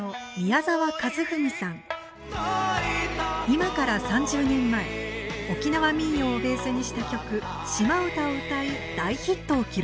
今から３０年前沖縄民謡をベースにした曲「島唄」を歌い大ヒットを記録。